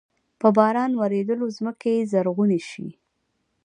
په باران ورېدلو زمکې زرغوني شي۔